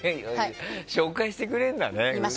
紹介してくれるんだね。